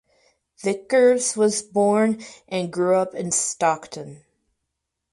Vickers was born and grew up in Stockton.